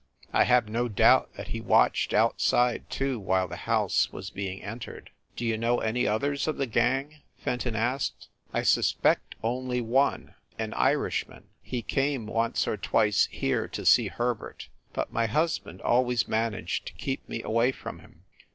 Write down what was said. I have no doubt that he watched outside, too, while the house was being entered. " "Do you know any others of the gang?" Fenton asked. "I suspect only one, an Irishman. He came once or twice here to see Herbert, but my husband always managed to keep me away from him."